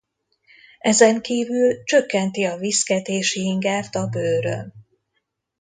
Ezen kívül csökkenti a viszketési ingert a bőrön.